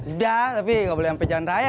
udah tapi gak boleh sampai jalan raya